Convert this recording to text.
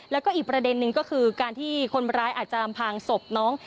แล้วก็อีกประเด็นนึงก็คือการที่คนร้ายอาจจะอำพางศพน้อง